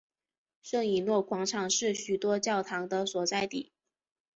圣以诺广场是许多教堂的所在地。